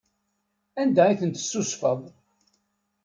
Anda ay ten-tessusfeḍ?